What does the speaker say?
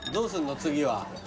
次は。